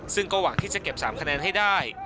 ซึ่งก็หวังที่จะเก็บ๓คะแนนให้ได้